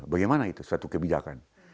bagaimana itu suatu kebijakan